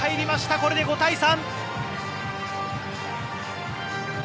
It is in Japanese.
これで５対３。